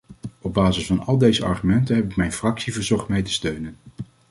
Op basis van al deze argumenten heb ik mijn fractie verzocht mij te steunen.